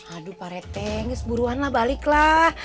aduh pak rt gak seburuan lah balik lah